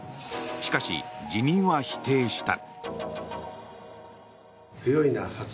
しかし、辞任は否定した。